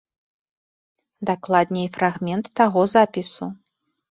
Дакладней, фрагмент таго запісу.